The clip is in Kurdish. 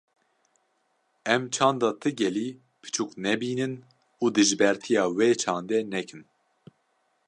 Em çanda ti gelî piçûk nebînin û dijbertiya wê çandê nekin.